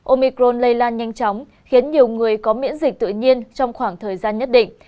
omicron lây lan nhanh chóng khiến nhiều người có miễn dịch tự nhiên trong khoảng thời gian nhất định